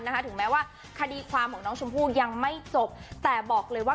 ถึงแม้ว่าคดีความของน้องชมพู่ยังไม่จบแต่บอกเลยว่า